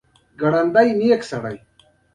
د قانون په مرسته د پاچا رعیت خپل ځای وپیژند.